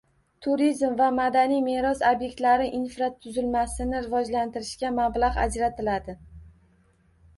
Turizm va madaniy meros obyektlari infratuzilmasini rivojlantirishga mablag‘ ajratiladi.